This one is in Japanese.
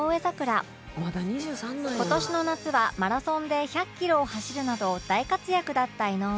今年の夏はマラソンで１００キロを走るなど大活躍だった井上さん